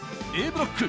Ａブロック